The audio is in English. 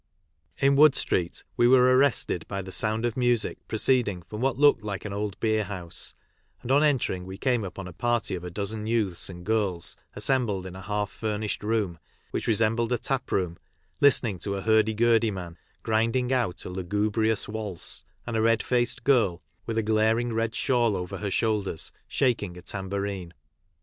In Wood street we were arrested by the sound of music proceeding from what looked like an old beer house, and on entering we came upon a party of a dozen youths and girls assembled in a half furnished room, which resembled a taproom, listening to a " hurdy gurdy " man grinding out a lugubrious waltz and a red faced girl, with a glaring red shawl over her shoulders, shaking a tambourine.